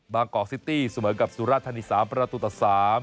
กอกซิตี้เสมอกับสุราธานี๓ประตูต่อ๓